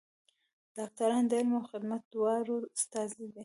ډاکټران د علم او خدمت دواړو استازي دي.